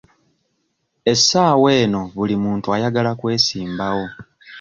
Essaawa eno buli muntu ayagala kwesimbawo.